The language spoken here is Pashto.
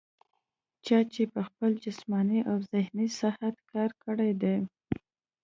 چا چې پۀ خپل جسماني او ذهني صحت کار کړے دے